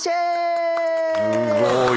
すごい。